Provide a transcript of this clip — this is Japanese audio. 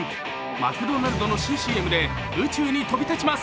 マクドナルドの新ＣＭで宇宙に飛び立ちます。